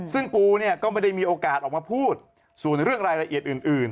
ซึ่งปูเนี่ยก็ไม่ได้มีโอกาสออกมาพูดส่วนเรื่องรายละเอียดอื่น